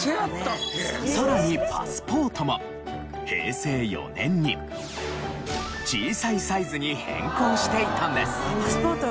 さらにパスポートも平成４年に小さいサイズに変更していたんです。